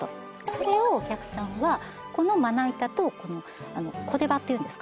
それをお客さんはこのまな板とこの小出刃っていうんですか？